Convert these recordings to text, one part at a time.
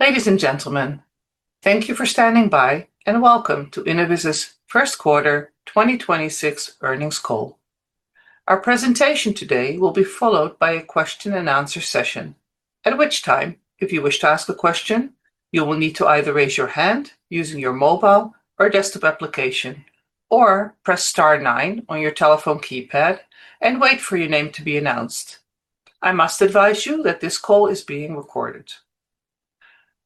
Ladies and gentlemen, thank you for standing by, and welcome to Innoviz's First Quarter 2026 Earnings Call. Our presentation today will be followed by a question and answer session, at which time, if you wish to ask a question, you will need to either raise your hand using your mobile or desktop application or press star nine on your telephone keypad and wait for your name to be announced. I must advise you that this call is being recorded.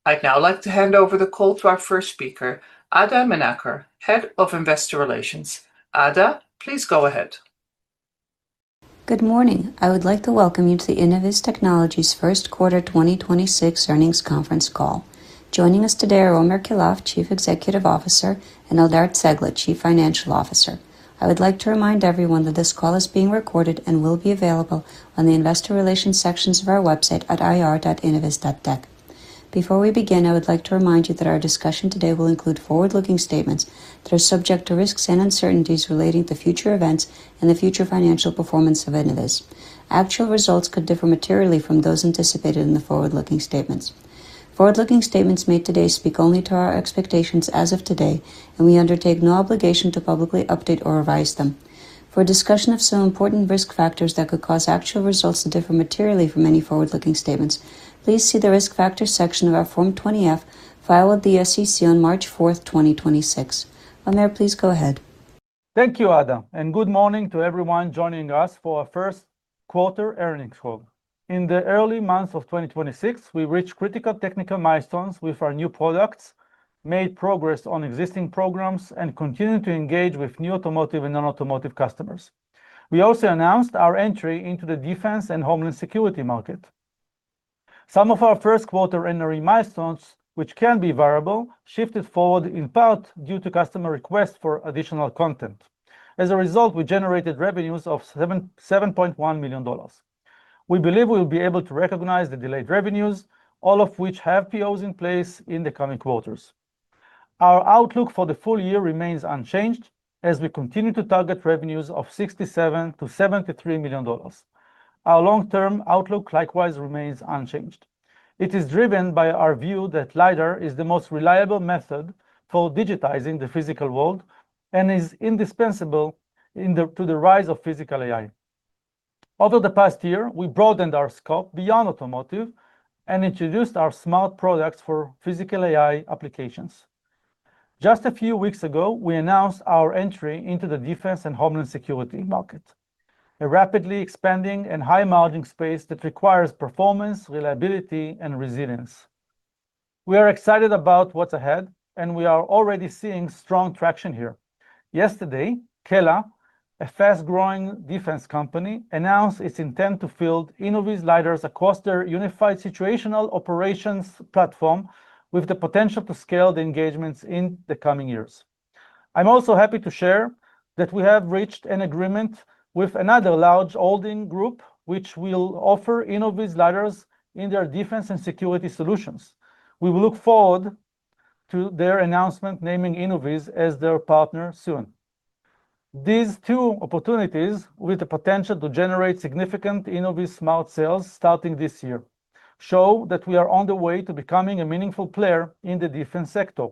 I'd now like to hand over the call to our first speaker, Ada Menaker, Head of Investor Relations. Ada, please go ahead. Good morning. I would like to welcome you to the Innoviz Technologies First Quarter 2026 Earnings Conference Call. Joining us today are Omer Keilaf, Chief Executive Officer, and Eldar Cegla, Chief Financial Officer. I would like to remind everyone that this call is being recorded and will be available on the investor relations sections of our website at ir.innoviz.tech. Before we begin, I would like to remind you that our discussion today will include forward-looking statements that are subject to risks and uncertainties relating to future events and the future financial performance of Innoviz. Actual results could differ materially from those anticipated in the forward-looking statements. Forward-looking statements made today speak only to our expectations as of today, and we undertake no obligation to publicly update or revise them. For a discussion of some important risk factors that could cause actual results to differ materially from any forward-looking statements, please see the Risk Factors section of our Form 20-F filed with the SEC on March 4th, 2026. Omer, please go ahead. Thank you, Ada, and good morning to everyone joining us for our first quarter earnings call. In the early months of 2026, we reached critical technical milestones with our new products, made progress on existing programs, and continued to engage with new automotive and non-automotive customers. We also announced our entry into the defense and homeland security market. Some of our first quarter NRE milestones, which can be variable, shifted forward in part due to customer requests for additional content. As a result, we generated revenues of $7.1 million. We believe we will be able to recognize the delayed revenues, all of which have POs in place in the coming quarters. Our outlook for the full year remains unchanged as we continue to target revenues of $67 million-$73 million. Our long-term outlook likewise remains unchanged. It is driven by our view that LiDAR is the most reliable method for digitizing the physical world and is indispensable to the rise of Physical AI. Over the past year, we broadened our scope beyond automotive and introduced our smart products for Physical AI applications. Just a few weeks ago, we announced our entry into the defense and homeland security market, a rapidly expanding and high-margin space that requires performance, reliability, and resilience. We are excited about what's ahead, and we are already seeing strong traction here. Yesterday, Kela, a fast-growing defense company, announced its intent to field Innoviz LiDARs across their unified situational operations platform with the potential to scale the engagements in the coming years. I'm also happy to share that we have reached an agreement with another large holding group which will offer Innoviz LiDARs in their defense and security solutions. We will look forward to their announcement naming Innoviz as their partner soon. These two opportunities, with the potential to generate significant InnovizSMART sales starting this year, show that we are on the way to becoming a meaningful player in the defense sector.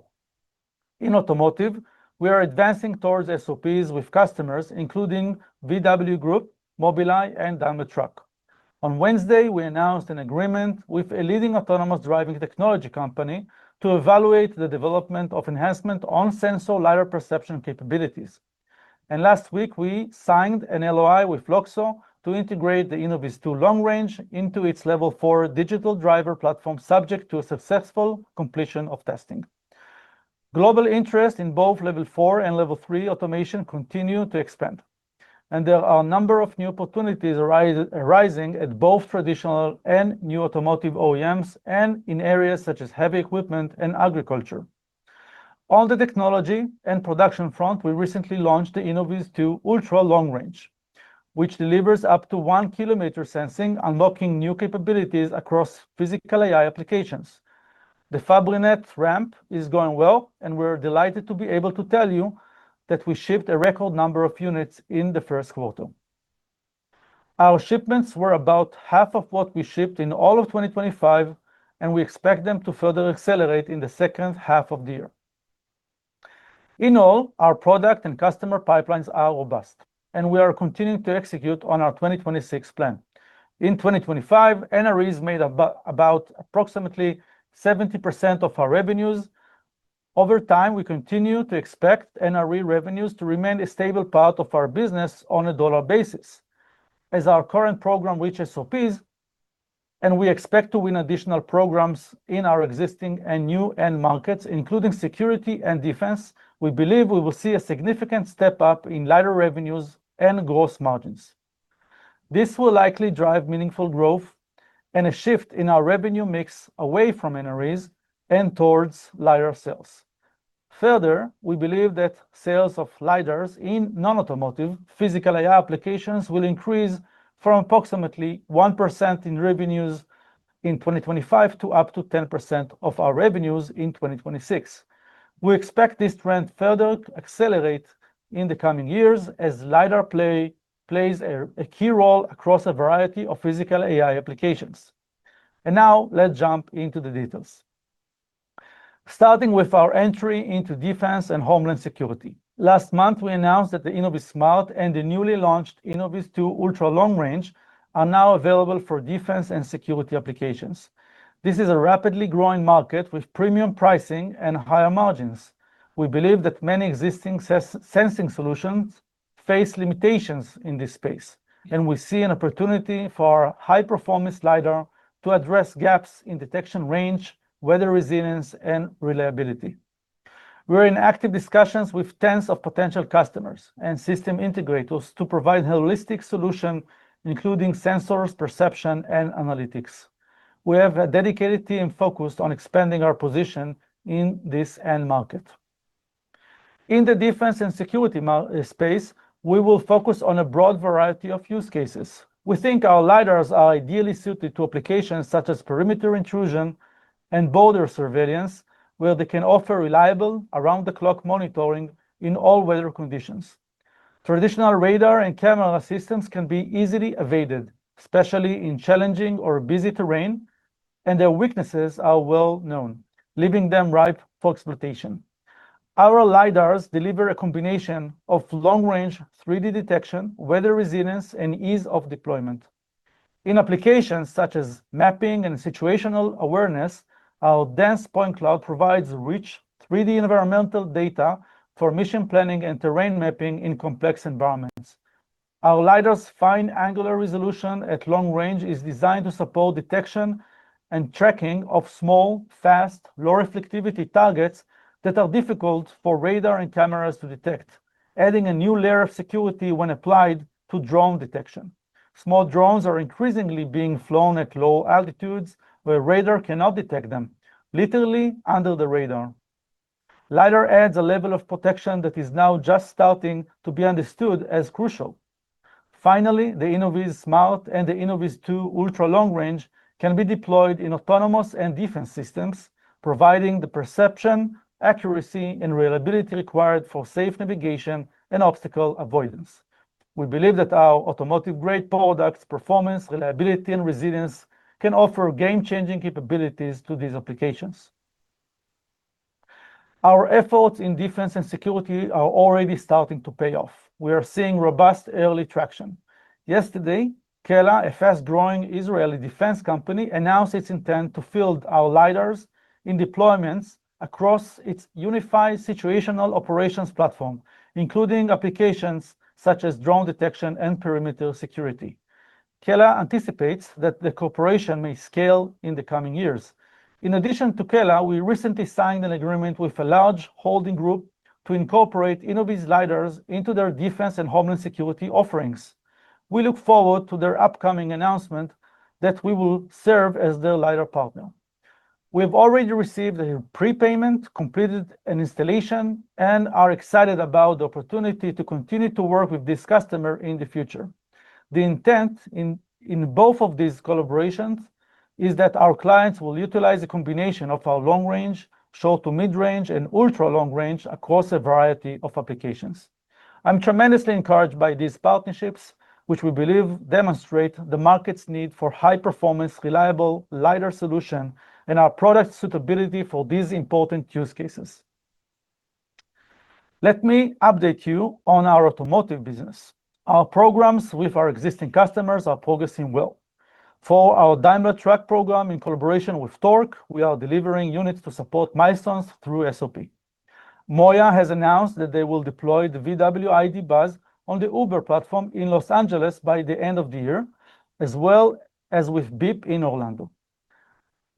In automotive, we are advancing towards SOPs with customers, including VW Group, Mobileye, and Daimler Truck. On Wednesday, we announced an agreement with a leading autonomous driving technology company to evaluate the development of enhancement on sensor LiDAR perception capabilities. Last week, we signed an LOI with LOXO to integrate the InnovizTwo Ultra Long-Range into its Level 4 digital driver platform, subject to a successful completion of testing. Global interest in both Level 4 and Level 3 automation continue to expand, and there are a number of new opportunities arising at both traditional and new automotive OEMs and in areas such as heavy equipment and agriculture. On the technology and production front, we recently launched the InnovizTwo Ultra Long-Range, which delivers up to 1 km sensing, unlocking new capabilities across Physical AI applications. The Fabrinet ramp is going well, and we're delighted to be able to tell you that we shipped a record number of units in the first quarter. Our shipments were about half of what we shipped in all of 2025, and we expect them to further accelerate in the second half of the year. In all, our product and customer pipelines are robust, and we are continuing to execute on our 2026 plan. In 2025, NREs made about approximately 70% of our revenues. Over time, we continue to expect NRE revenues to remain a stable part of our business on a dollar basis. As our current program reach SOPs, and we expect to win additional programs in our existing and new end markets, including security and defense, we believe we will see a significant step-up in LiDAR revenues and gross margins. This will likely drive meaningful growth and a shift in our revenue mix away from NREs and towards LiDAR sales. Further, we believe that sales of LiDARs in non-automotive Physical AI applications will increase from approximately 1% in revenues in 2025 to up to 10% of our revenues in 2026. We expect this trend further to accelerate in the coming years as LiDAR plays a key role across a variety of Physical AI applications. Let's jump into the details. Starting with our entry into defense and homeland security. Last month, we announced that the InnovizSMART and the newly launched InnovizTwo Ultra Long-Range are now available for defense and security applications. This is a rapidly growing market with premium pricing and higher margins. We believe that many existing sensing solutions face limitations in this space, and we see an opportunity for high-performance LiDAR to address gaps in detection range, weather resilience, and reliability. We're in active discussions with tens of potential customers and system integrators to provide holistic solution, including sensors, perception, and analytics. We have a dedicated team focused on expanding our position in this end market. In the defense and security space, we will focus on a broad variety of use cases. We think our LiDARs are ideally suited to applications such as perimeter intrusion and border surveillance, where they can offer reliable around-the-clock monitoring in all weather conditions. Traditional radar and camera systems can be easily evaded, especially in challenging or busy terrain, their weaknesses are well known, leaving them ripe for exploitation. Our LiDARs deliver a combination of long-range, 3D detection, weather resilience, and ease of deployment. In applications such as mapping and situational awareness, our dense point cloud provides rich 3D environmental data for mission planning and terrain mapping in complex environments. Our LiDARs fine angular resolution at long-range is designed to support detection and tracking of small, fast, low reflectivity targets that are difficult for radar and cameras to detect, adding a new layer of security when applied to drone detection. Small drones are increasingly being flown at low altitudes where radar cannot detect them, literally under the radar. LiDAR adds a level of protection that is now just starting to be understood as crucial. Finally, the InnovizSMART and the InnovizTwo Ultra Long-Range can be deployed in autonomous and defense systems, providing the perception, accuracy, and reliability required for safe navigation and obstacle avoidance. We believe that our automotive-grade products, performance, reliability, and resilience can offer game-changing capabilities to these applications. Our efforts in defense and security are already starting to pay off. We are seeing robust early traction. Yesterday, Kela, a fast-growing Israeli defense company, announced its intent to field our LiDARs in deployments across its unified situational operations platform, including applications such as drone detection and perimeter security. Kela anticipates that the cooperation may scale in the coming years. In addition to Kela, we recently signed an agreement with a large holding group to incorporate Innoviz LiDARs into their defense and homeland security offerings. We look forward to their upcoming announcement that we will serve as their LiDAR partner. We have already received a prepayment, completed an installation, and are excited about the opportunity to continue to work with this customer in the future. The intent in both of these collaborations is that our clients will utilize a combination of our long-range, short-to mid-range, and ultra-long-range across a variety of applications. I'm tremendously encouraged by these partnerships, which we believe demonstrate the market's need for high-performance, reliable LiDAR solution and our product suitability for these important use cases. Let me update you on our automotive business. Our programs with our existing customers are progressing well. For our Daimler Truck program in collaboration with Torc, we are delivering units to support milestones through SOP. Mobileye has announced that they will deploy the VW ID. Buzz on the Uber platform in L.A. by the end of the year, as well as with Beep in Orlando.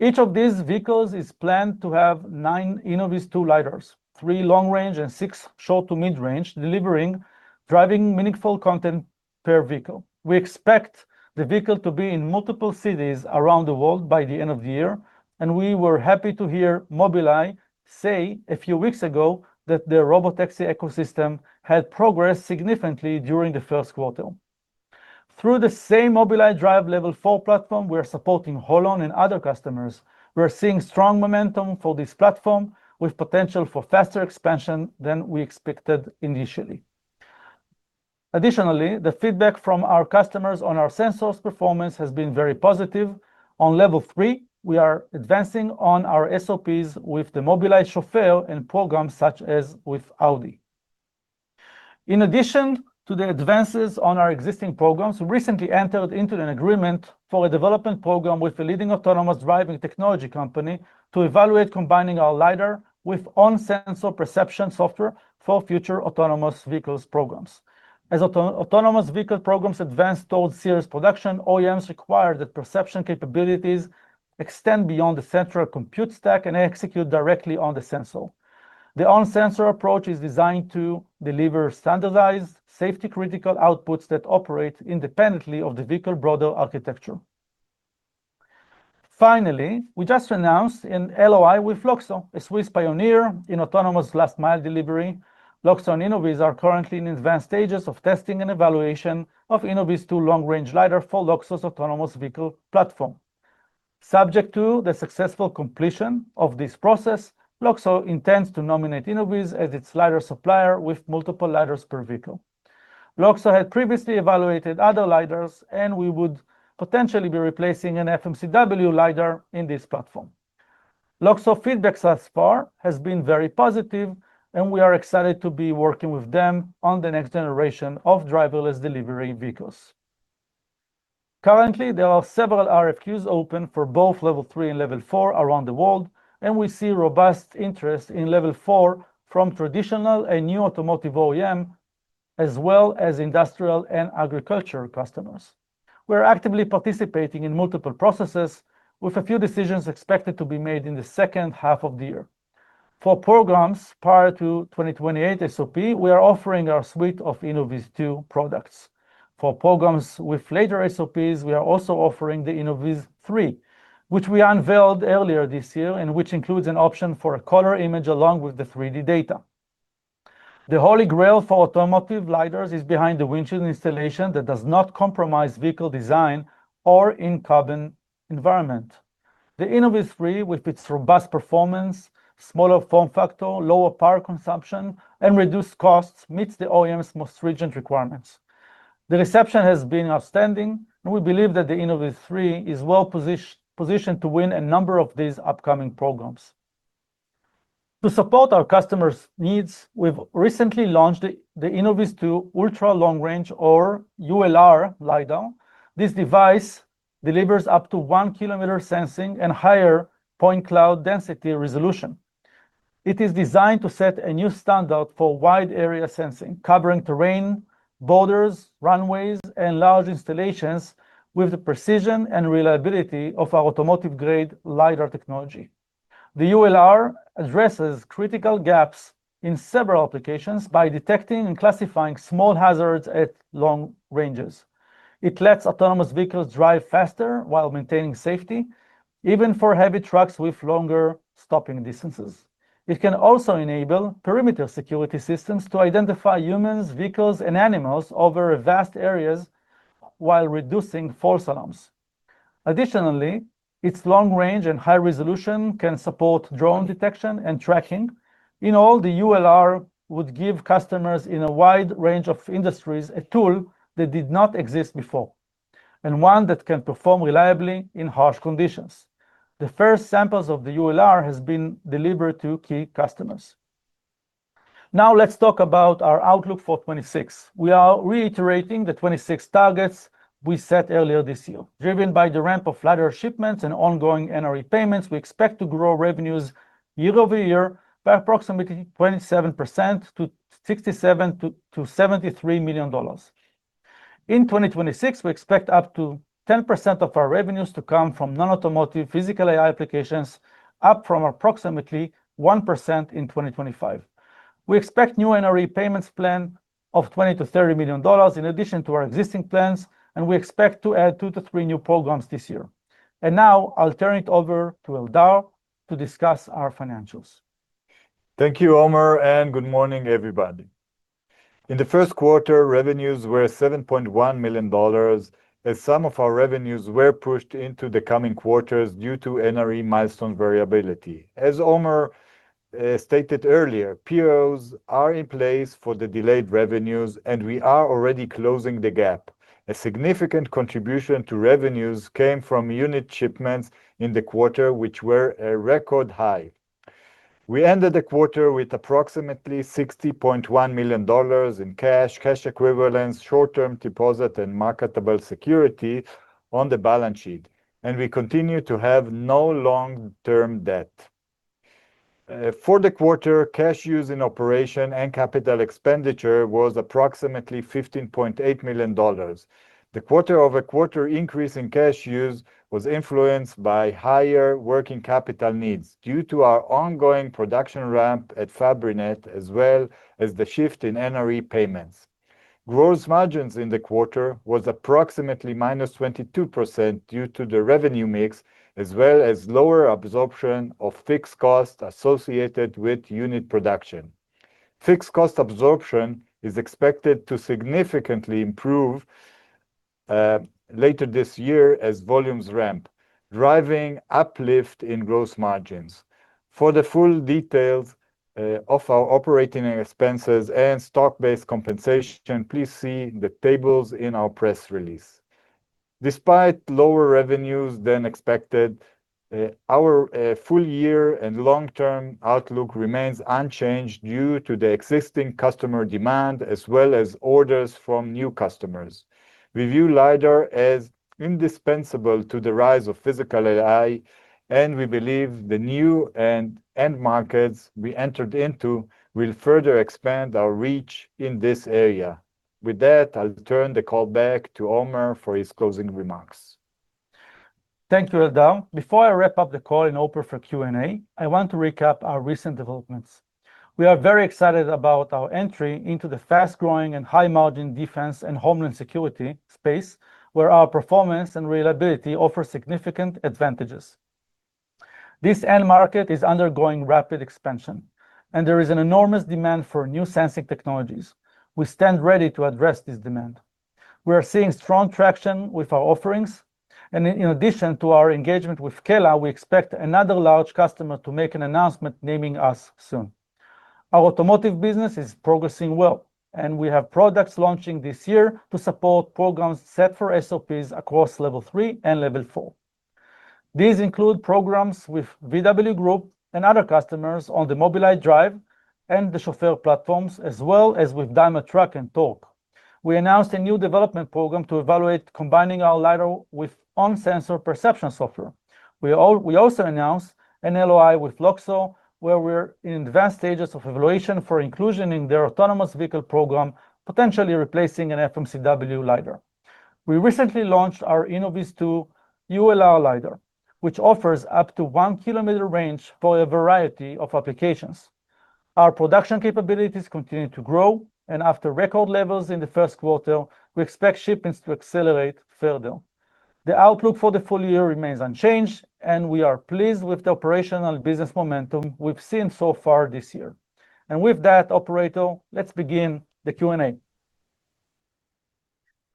Each of these vehicles is planned to have nine InnovizTwo LiDARs, three long-range and six short-to mid-range, delivering, driving meaningful content per vehicle. We expect the vehicle to be in multiple cities around the world by the end of the year. We were happy to hear Mobileye say a few weeks ago that their robotaxi ecosystem had progressed significantly during the first quarter. Through the same Mobileye Drive Level 4 platform, we are supporting Holon and other customers. We are seeing strong momentum for this platform with potential for faster expansion than we expected initially. Additionally, the feedback from our customers on our sensors performance has been very positive. On Level 3, we are advancing on our SOPs with the Mobileye Chauffeur and programs such as with Audi. In addition to the advances on our existing programs, we recently entered into an agreement for a development program with a leading autonomous driving technology company to evaluate combining our LiDAR with on-sensor Perception Software for future autonomous vehicles programs. As autonomous vehicle programs advance towards series production, OEMs require that perception capabilities extend beyond the central compute stack and execute directly on the sensor. The on-sensor approach is designed to deliver standardized safety-critical outputs that operate independently of the vehicle broader architecture. Finally, we just announced an LOI with LOXO, a Swiss pioneer in autonomous last mile delivery. LOXO and Innoviz are currently in advanced stages of testing and evaluation of InnovizTwo long-range LiDAR for LOXO's autonomous vehicle platform. Subject to the successful completion of this process, LOXO intends to nominate Innoviz as its LiDAR supplier with multiple LiDARs per vehicle. LOXO had previously evaluated other LiDARs, and we would potentially be replacing an FMCW LiDAR in this platform. LOXO feedback thus far has been very positive, and we are excited to be working with them on the next generation of driverless delivery vehicles. Currently, there are several RFQs open for both Level 3 and Level 4 around the world, and we see robust interest in Level 4 from traditional and new automotive OEM, as well as industrial and agriculture customers. We're actively participating in multiple processes with a few decisions expected to be made in the second half of the year. For programs prior to 2028 SOP, we are offering our suite of InnovizTwo products. For programs with later SOPs, we are also offering the InnovizThree, which we unveiled earlier this year and which includes an option for a color image along with the 3D data. The Holy Grail for automotive LiDARs is behind-the-windshield installation that does not compromise vehicle design or in-cabin environment. The InnovizThree, with its robust performance, smaller form factor, lower power consumption, and reduced costs, meets the OEM's most stringent requirements. The reception has been outstanding, we believe that the InnovizThree is well-positioned to win a number of these upcoming programs. To support our customers' needs, we've recently launched the InnovizTwo Ultra Long-Range or ULR LiDAR. This device delivers up to 1 km sensing and higher point cloud density resolution. It is designed to set a new standard for wide area sensing, covering terrain, borders, runways, and large installations with the precision and reliability of our automotive-grade LiDAR technology. The ULR addresses critical gaps in several applications by detecting and classifying small hazards at long-ranges. It lets autonomous vehicles drive faster while maintaining safety, even for heavy trucks with longer stopping distances. It can also enable perimeter security systems to identify humans, vehicles, and animals over vast areas while reducing false alarms. Additionally, its long-range and high resolution can support drone detection and tracking. In all, the ULR would give customers in a wide range of industries a tool that did not exist before, and one that can perform reliably in harsh conditions. The first samples of the ULR has been delivered to key customers. Now let's talk about our outlook for 2026. We are reiterating the 2026 targets we set earlier this year. Driven by the ramp of LiDAR shipments and ongoing NRE payments, we expect to grow revenues year-over-year by approximately 27% to $67 million-$73 million. In 2026, we expect up to 10% of our revenues to come from non-automotive Physical AI applications, up from approximately 1% in 2025. We expect new NRE payments plan of $20 million-$30 million in addition to our existing plans. We expect to add two-three new programs this year. Now I'll turn it over to Eldar to discuss our financials. Thank you, Omer, and good morning, everybody. In the first quarter, revenues were $7.1 million, as some of our revenues were pushed into the coming quarters due to NRE milestone variability. As Omer stated earlier, POs are in place for the delayed revenues, and we are already closing the gap. A significant contribution to revenues came from unit shipments in the quarter, which were a record high. We ended the quarter with approximately $60.1 million in cash equivalents, short-term deposit, and marketable security on the balance sheet, and we continue to have no long-term debt. For the quarter, cash used in operation and capital expenditure was approximately $15.8 million. The quarter-over-quarter increase in cash used was influenced by higher working capital needs due to our ongoing production ramp at Fabrinet, as well as the shift in NRE payments. Gross margins in the quarter was approximately -22% due to the revenue mix, as well as lower absorption of fixed costs associated with unit production. Fixed cost absorption is expected to significantly improve later this year as volumes ramp, driving uplift in gross margins. For the full details of our operating expenses and stock-based compensation, please see the tables in our press release. Despite lower revenues than expected, our full year and long-term outlook remains unchanged due to the existing customer demand as well as orders from new customers. We view LiDAR as indispensable to the rise of Physical AI, and we believe the new end markets we entered into will further expand our reach in this area. With that, I'll turn the call back to Omer for his closing remarks. Thank you, Eldar. Before I wrap up the call and open for Q&A, I want to recap our recent developments. We are very excited about our entry into the fast-growing and high-margin defense and homeland security space, where our performance and reliability offer significant advantages. This end market is undergoing rapid expansion, and there is an enormous demand for new sensing technologies. We stand ready to address this demand. We are seeing strong traction with our offerings, and in addition to our engagement with Kela, we expect another large customer to make an announcement naming us soon. Our automotive business is progressing well, and we have products launching this year to support programs set for SOPs across Level 3 and Level 4. These include programs with VW Group and other customers on the Mobileye Drive and the Chauffeur platforms, as well as with Daimler Truck and Torc. We announced a new development program to evaluate combining our LiDAR with on-sensor Perception Software. We also announced an LOI with LOXO, where we're in advanced stages of evaluation for inclusion in their autonomous vehicle program, potentially replacing an FMCW LiDAR. We recently launched our InnovizTwo ULR LiDAR, which offers up to 1 km range for a variety of applications. Our production capabilities continue to grow. After record levels in the first quarter, we expect shipments to accelerate further. The outlook for the full year remains unchanged. We are pleased with the operational business momentum we've seen so far this year. With that, operator, let's begin the Q&A.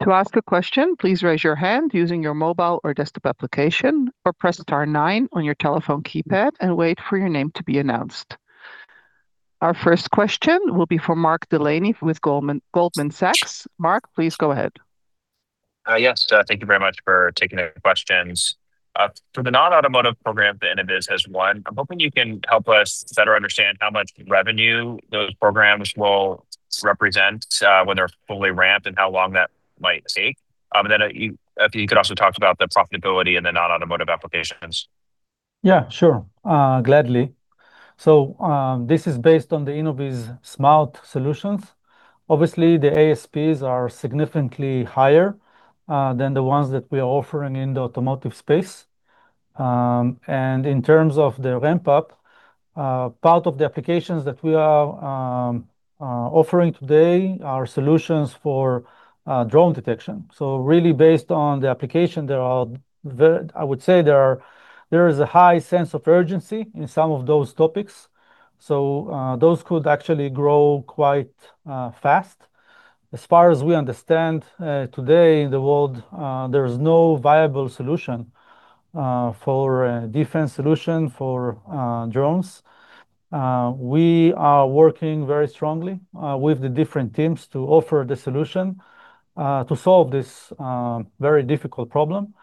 To ask a question, please raise your hand using your mobile or desktop application, or press star nine on your telephone keypad and wait for your name to be announced. Our first question will be for Mark Delaney with Goldman Sachs. Mark, please go ahead. Yes, thank you very much for taking the questions. For the non-automotive program that Innoviz has won, I'm hoping you can help us better understand how much revenue those programs will represent when they're fully ramped and how long that might take. Then if you could also talk about the profitability in the non-automotive applications. Yeah, sure. Gladly. This is based on the InnovizSMART solutions. Obviously, the ASPs are significantly higher than the ones that we are offering in the automotive space. In terms of the ramp-up, part of the applications that we are offering today are solutions for drone detection. Really based on the application, I would say there is a high sense of urgency in some of those topics. Those could actually grow quite fast. As far as we understand, today in the world, there is no viable solution for a defense solution for drones. We are working very strongly with the different teams to offer the solution to solve this very difficult problem.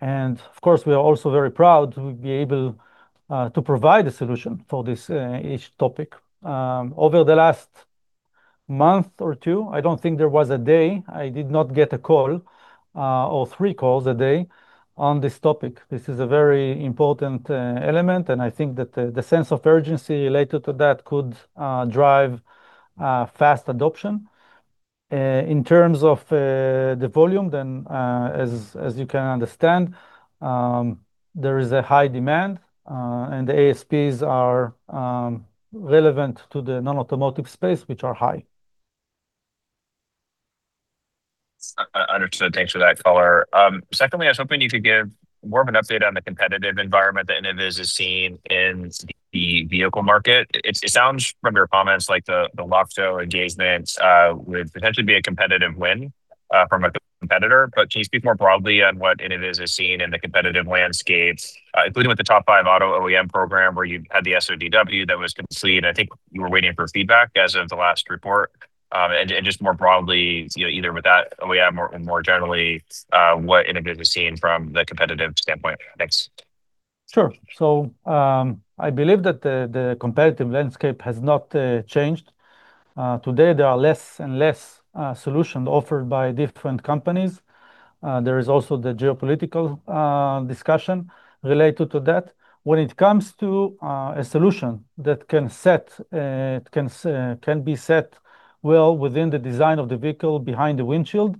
Of course, we are also very proud to be able to provide a solution for this each topic. Over the last month or two, I don't think there was a day I did not get a call or three calls a day on this topic. This is a very important element, and I think that the sense of urgency related to that could drive fast adoption. In terms of the volume, then, as you can understand, there is a high demand, and the ASPs are relevant to the non-automotive space, which are high. Understood. Thanks for that color. Secondly, I was hoping you could give more of an update on the competitive environment that Innoviz has seen in the vehicle market. It sounds from your comments like the LOXO engagement would potentially be a competitive win from a competitor. Can you speak more broadly on what Innoviz has seen in the competitive landscape, including with the top five auto OEM program where you had the SODW that was complete. I think you were waiting for feedback as of the last report. Just more broadly, you know, either with that OEM or more generally, what Innoviz is seeing from the competitive standpoint. Thanks. Sure. I believe that the competitive landscape has not changed. Today there are less and less solutions offered by different companies. There is also the geopolitical discussion related to that. When it comes to a solution that can be set well within the design of the vehicle behind-the-windshield,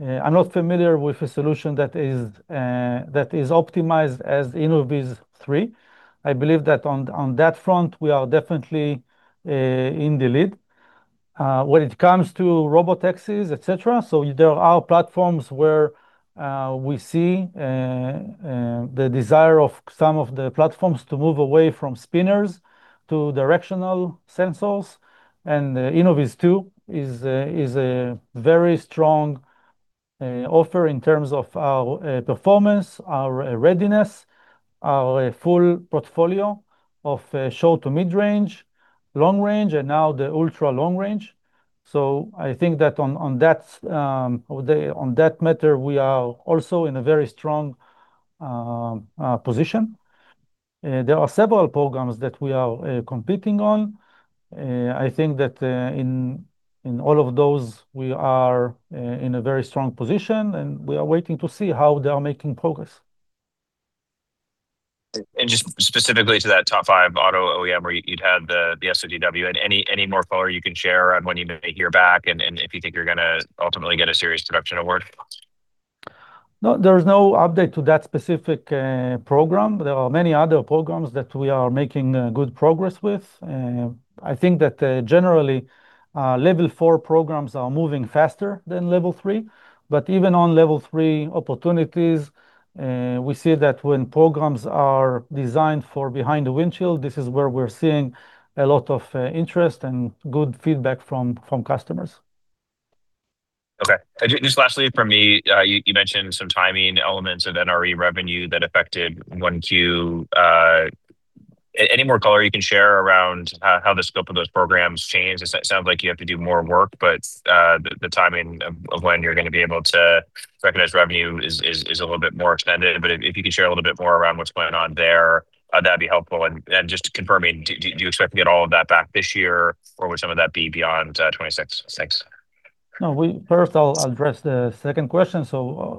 I'm not familiar with a solution that is optimized as Innoviz Three. I believe that on that front, we are definitely in the lead when it comes to robotaxis, et cetera. There are platforms where we see the desire of some of the platforms to move away from spinners to directional sensors. InnovizTwo is a very strong offer in terms of our performance, our readiness, our full portfolio of short-to mid-range, long-range, and now the ultra-long-range. I think that on that matter, we are also in a very strong position. There are several programs that we are competing on. I think that in all of those, we are in a very strong position, and we are waiting to see how they are making progress. Just specifically to that top five auto OEM where you'd had the SODW. Any more color you can share on when you may hear back and if you think you're gonna ultimately get a series production award? No, there is no update to that specific program. There are many other programs that we are making good progress with. I think that generally, Level 4 programs are moving faster than Level 3. Even on Level 3 opportunities, we see that when programs are designed for behind-the-windshield, this is where we're seeing a lot of interest and good feedback from customers. Okay. Just lastly from me, you mentioned some timing elements of NRE revenue that affected Q1. Any more color you can share around how the scope of those programs change? It sounds like you have to do more work, but the timing of when you're gonna be able to recognize revenue is a little bit more extended. If you could share a little bit more around what's going on there, that'd be helpful. Just confirming, do you expect to get all of that back this year, or would some of that be beyond 2026? Thanks. No, we. First I'll address the second question.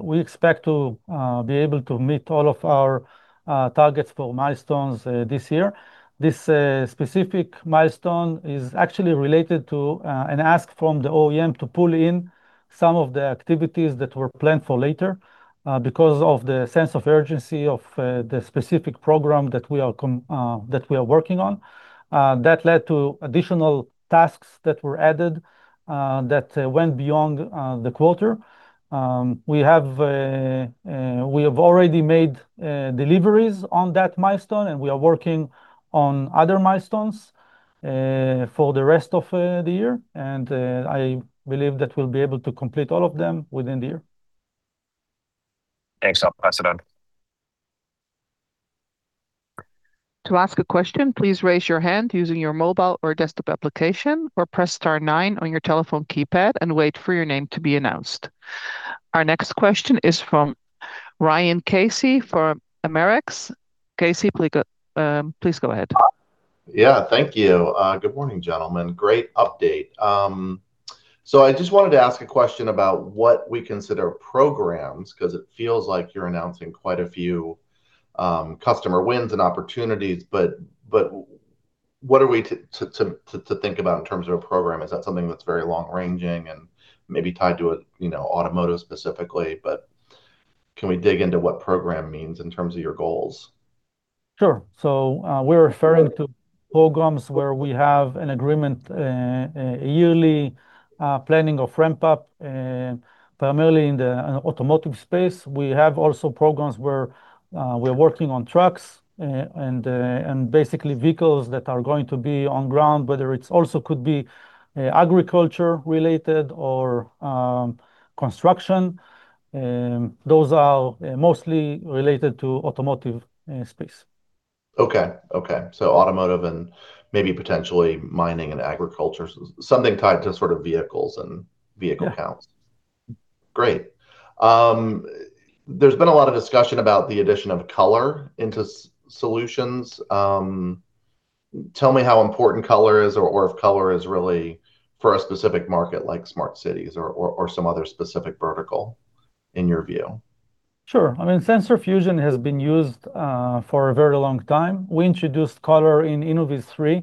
We expect to be able to meet all of our targets for milestones this year. This specific milestone is actually related to an ask from the OEM to pull in some of the activities that were planned for later because of the sense of urgency of the specific program that we are working on. That led to additional tasks that were added that went beyond the quarter. We have already made deliveries on that milestone, and we are working on other milestones for the rest of the year, and I believe that we'll be able to complete all of them within the year. Thanks. I'll pass it on. To ask a question, please raise your hand using your mobile or desktop application, or press star nine on your telephone keypad and wait for your name to be announced. Our next question is from Ryan Casey from AmerX. Casey, please go ahead. Yeah. Thank you. Good morning, gentlemen. Great update. I just wanted to ask a question about what we consider programs, 'cause it feels like you're announcing quite a few customer wins and opportunities, but what are we to think about in terms of a program? Is that something that's very long-ranging and maybe tied to a, you know, automotive specifically? Can we dig into what program means in terms of your goals? Sure. We're referring to programs where we have an agreement, yearly planning of ramp up, primarily in the automotive space. We have also programs where we're working on trucks, and basically vehicles that are going to be on ground, whether it's also could be agriculture related or construction. Those are mostly related to automotive space. Okay. Okay. Automotive and maybe potentially mining and agriculture, something tied to sort of vehicles and vehicle counts. Yeah. Great. There's been a lot of discussion about the addition of color into solutions. Tell me how important color is or if color is really for a specific market like smart cities or some other specific vertical in your view? Sure. I mean, sensor fusion has been used for a very long time. We introduced color in InnovizThree,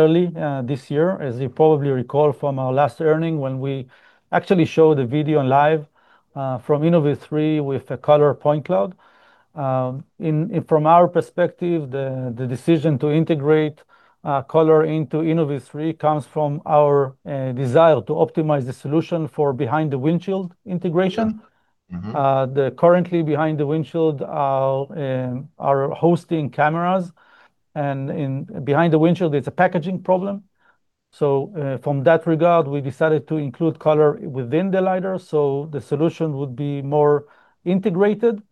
early this year, as you probably recall from our last earning when we actually showed the video live from InnovizThree with the color point cloud. From our perspective, the decision to integrate color into InnovizThree comes from our desire to optimize the solution for behind-the-windshield integration. Okay. Mm-hmm. The currently behind-the-windshield are hosting cameras and in behind-the-windshield it's a packaging problem. From that regard, we decided to include color within the LiDAR so the solution would be more integrated.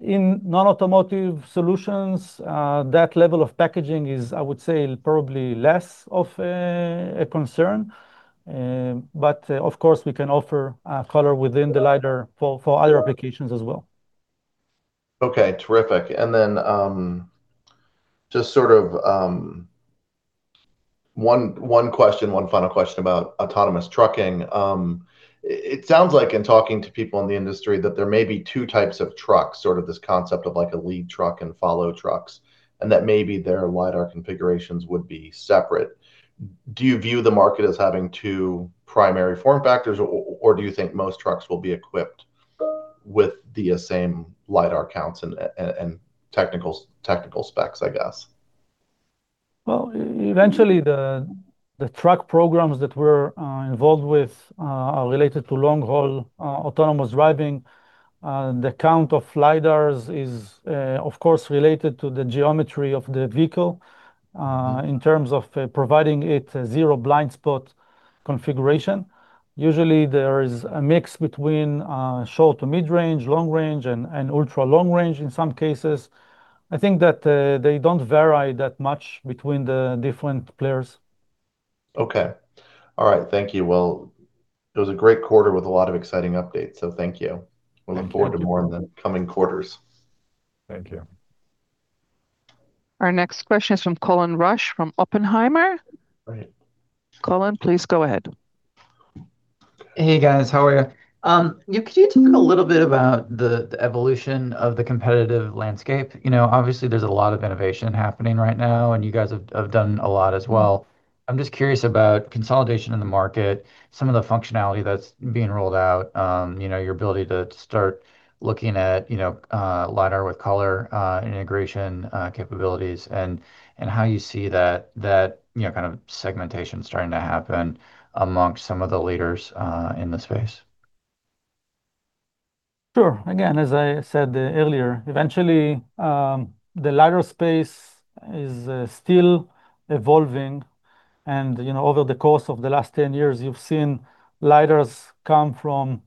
In non-automotive solutions, that level of packaging is, I would say, probably less of a concern. Of course, we can offer color within the LiDAR for other applications as well. Okay. Terrific. Just sort of, one question, one final question about autonomous trucking. It sounds like in talking to people in the industry that there may be two types of trucks, sort of this concept of like a lead truck and follow trucks, and that maybe their LiDAR configurations would be separate. Do you view the market as having two primary form factors or do you think most trucks will be equipped with the same LiDAR counts and technical specs, I guess? Well, eventually the truck programs that we're involved with are related to long-haul autonomous driving. The count of LiDARs is of course related to the geometry of the vehicle in terms of providing it a zero-blind-spot configuration. Usually there is a mix between short-to mid-range, long-range and ultra-long-range in some cases. I think that they don't vary that much between the different players. Okay. All right. Thank you. Well, it was a great quarter with a lot of exciting updates, so thank you. Thank you. We look forward to more in the coming quarters. Thank you. Our next question is from Colin Rusch from Oppenheimer. Right. Colin, please go ahead. Hey, guys. How are you? Yeah, could you talk a little bit about the evolution of the competitive landscape? You know, obviously there's a lot of innovation happening right now, and you guys have done a lot as well. I'm just curious about consolidation in the market, some of the functionality that's being rolled out, you know, your ability to start looking at, you know, LiDAR with color, integration, capabilities, and how you see that, you know, kind of segmentation starting to happen amongst some of the leaders, in the space. Sure. Again, as I said earlier, eventually, the LiDAR space is still evolving, and over the course of the last 10 years, you've seen LiDARs come from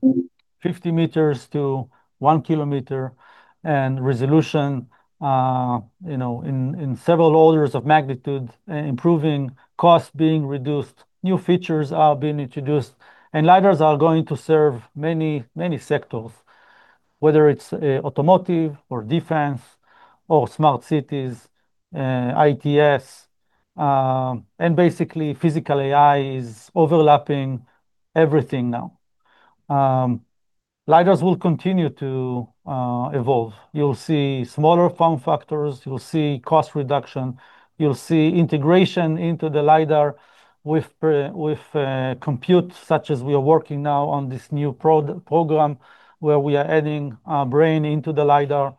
50 m-1 km, and resolution in several orders of magnitude improving, costs being reduced, new features are being introduced. LiDARs are going to serve many sectors, whether it's automotive or defense or smart cities, ITS. Basically, Physical AI is overlapping everything now. LiDARs will continue to evolve. You'll see smaller form factors, you'll see cost reduction, you'll see integration into the LiDAR with compute such as we are working now on this new program where we are adding a brain into the LiDAR.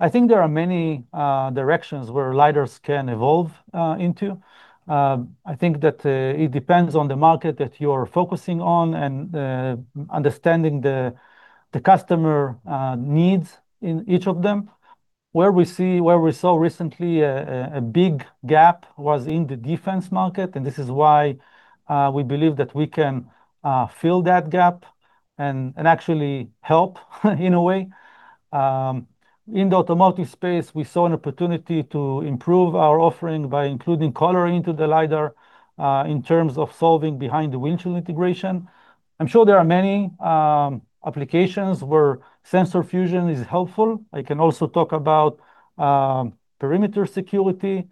I think there are many directions where LiDARs can evolve into. I think that it depends on the market that you're focusing on and understanding the customer needs in each of them. Where we saw recently a big gap was in the defense market, and this is why we believe that we can fill that gap and actually help in a way. In the automotive space, we saw an opportunity to improve our offering by including color into the LiDAR in terms of solving behind-the-windshield integration. I'm sure there are many applications where sensor fusion is helpful. I can also talk about perimeter security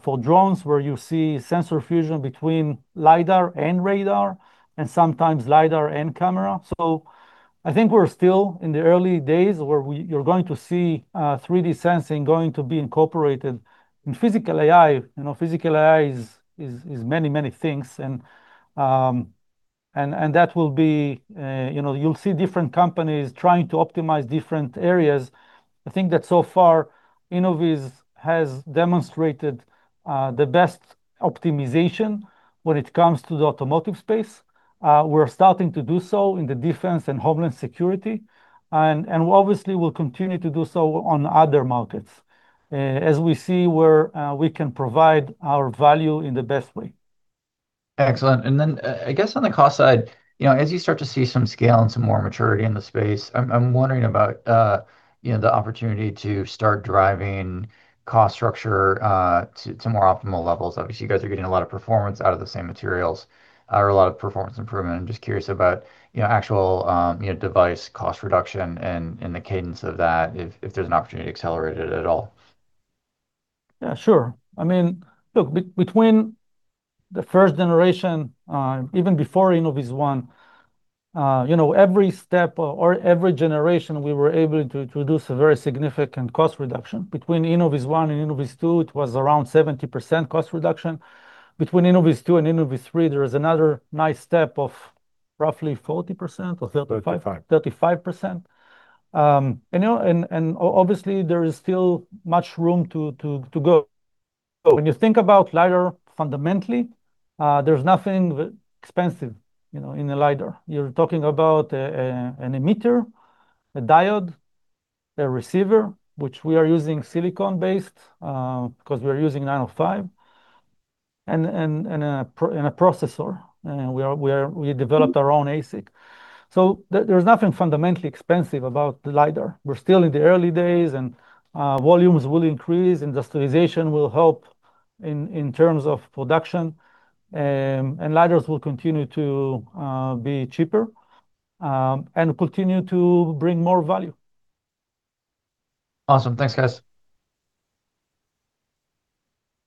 for drones where you see sensor fusion between LiDAR and radar, and sometimes LiDAR and camera. I think we're still in the early days where you're going to see 3D sensing going to be incorporated in Physical AI. Physical AI is many, many things and that will be, you know, you'll see different companies trying to optimize different areas. I think that so far Innoviz has demonstrated the best optimization when it comes to the automotive space. We're starting to do so in the defense and homeland security and obviously we'll continue to do so on other markets as we see where we can provide our value in the best way. Excellent. Then, I guess on the cost side, you know, as you start to see some scale and some more maturity in the space, I'm wondering about, you know, the opportunity to start driving cost structure to more optimal levels. Obviously, you guys are getting a lot of performance out of the same materials, or a lot of performance improvement. I'm just curious about, you know, actual, you know, device cost reduction and the cadence of that if there's an opportunity to accelerate it at all. Yeah, sure. I mean, look, between the first generation, you know, even before InnovizOne, you know, every step or every generation we were able to introduce a very significant cost reduction. Between InnovizOne and InnovizTwo, it was around 70% cost reduction. Between InnovizTwo and InnovizThree, there is another nice step of roughly 40% or 35%? 35%. 35%. you know, obviously there is still much room to go. When you think about LiDAR fundamentally, there's nothing expensive, you know, in a LiDAR. You're talking about an emitter, a diode, a receiver, which we are using silicon-based, because we are using 905 nm, and a processor. We developed our own ASIC. There's nothing fundamentally expensive about the LiDAR. We're still in the early days, volumes will increase, industrialization will help in terms of production, and LiDARs will continue to be cheaper and continue to bring more value. Awesome. Thanks, guys.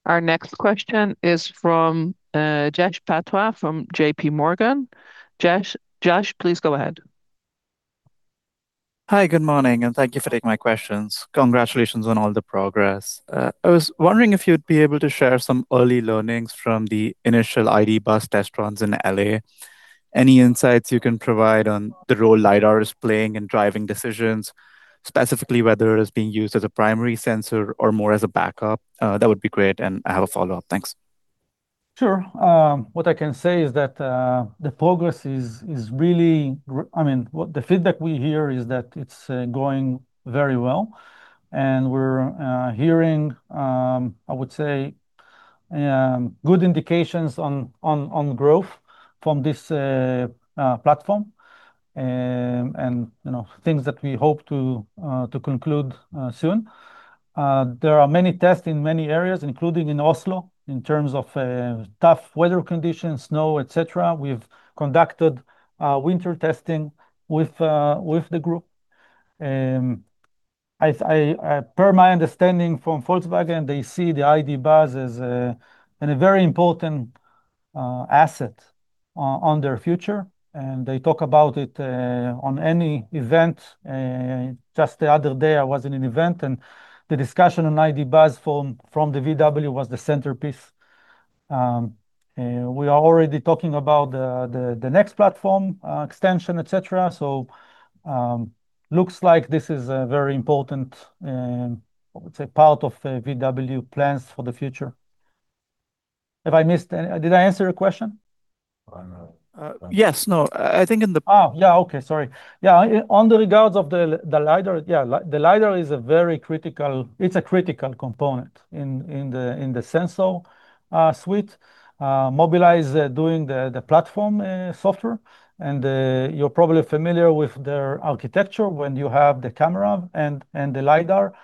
Our next question is from Jash Patwa from JPMorgan. Jash, please go ahead. Hi, good morning, and thank you for taking my questions. Congratulations on all the progress. I was wondering if you'd be able to share some early learnings from the initial ID. Buzz test runs in L.A. Any insights you can provide on the role LiDAR is playing in driving decisions, specifically whether it is being used as a primary sensor or more as a backup? That would be great, and I have a follow-up. Thanks. Sure. What I can say is that the progress is, I mean, the feedback we hear is that it's going very well and we're hearing, I would say, good indications on, on growth from this platform. You know, things that we hope to conclude soon. There are many tests in many areas, including in Oslo, in terms of tough weather conditions, snow, et cetera. We've conducted winter testing with the group. Per my understanding from Volkswagen, they see the ID. Buzz as a very important asset on their future, and they talk about it on any event. Just the other day I was in an event, the discussion on ID. Buzz from the VW was the centerpiece. We are already talking about the next platform extension, et cetera. Looks like this is a very important, what to say, part of VW plans for the future. Have I missed any? Did I answer your question? I don't know. yes. No, I think. Oh, yeah, okay. Sorry. On the regards of the LiDAR, the LiDAR is a very critical component in the sensor suite. Mobileye doing the platform software. You're probably familiar with their architecture when you have the camera and the LiDAR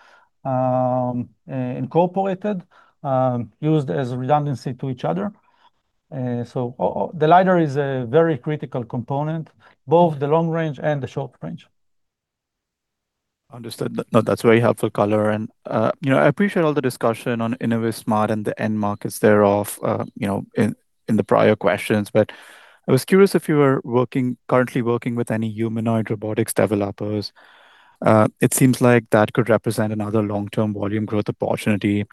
incorporated, used as redundancy to each other. The LiDAR is a very critical component, both the long-range and the short range. Understood. That, no, that's very helpful color. You know, I appreciate all the discussion on InnovizSMART and the end markets thereof, you know, in the prior questions. I was curious if you were currently working with any humanoid robotics developers. It seems like that could represent another long-term volume growth opportunity.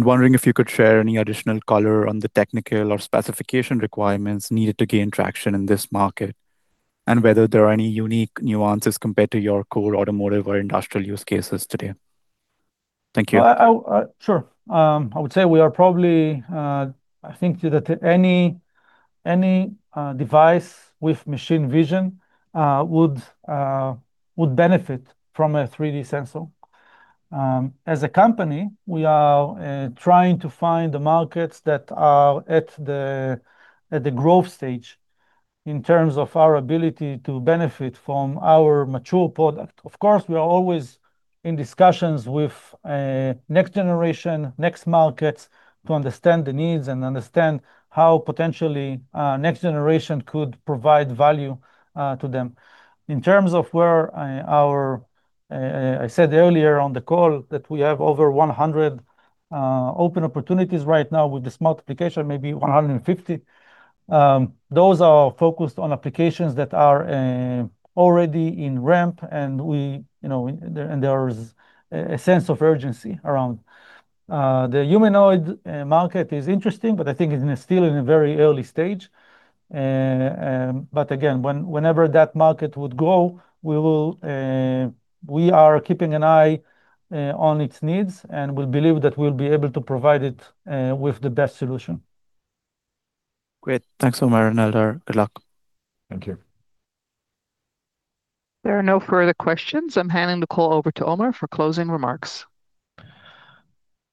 Wondering if you could share any additional color on the technical or specification requirements needed to gain traction in this market, and whether there are any unique nuances compared to your core automotive or industrial use cases today. Thank you. Well, Sure. I think that any device with machine vision would benefit from a 3D sensor. As a company, we are trying to find the markets that are at the growth stage in terms of our ability to benefit from our mature product. Of course, we are always in discussions with next generation, next markets, to understand the needs and understand how potentially next generation could provide value to them. I said earlier on the call that we have over 100 open opportunities right now with this multiplication, maybe 150. Those are focused on applications that are already in ramp, you know, there is a sense of urgency around. The humanoid market is interesting, but I think it's still in a very early stage. Again, whenever that market would grow, We are keeping an eye on its needs, and we believe that we'll be able to provide it with the best solution. Great. Thanks, Omer and Eldar. Good luck. Thank you. There are no further questions. I'm handing the call over to Omer for closing remarks.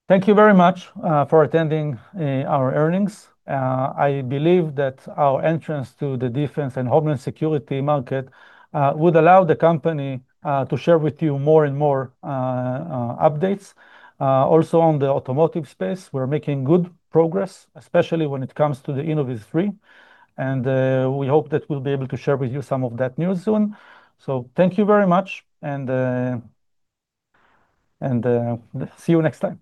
Thank you very much for attending our earnings. I believe that our entrance to the defense and homeland security market would allow the company to share with you more and more updates. Also on the automotive space, we're making good progress, especially when it comes to the InnovizThree, and we hope that we'll be able to share with you some of that news soon. Thank you very much, and see you next time.